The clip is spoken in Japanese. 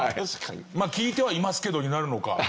「まあ聞いてはいますけど」になるのか。